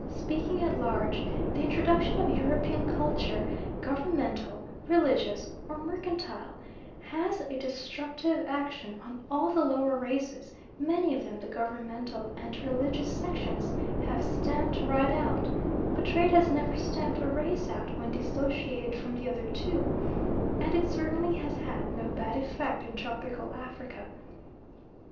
Speaking at large, the introduction of European culture governmental, religious, or mercantile has a destructive action on all the lower races; many of them the governmental and religious sections have stamped right out; but trade has never stamped a race out when dissociated from the other two, and it certainly has had no bad effect in tropical Africa.